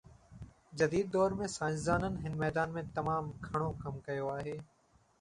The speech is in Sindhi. جديد دور ۾ سائنسدانن هن ميدان ۾ تمام گهڻو ڪم ڪيو آهي